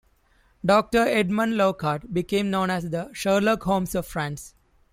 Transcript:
Doctor Edmond Locard, became known as the "Sherlock Holmes of France".